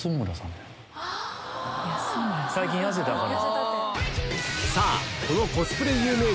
最近痩せたから。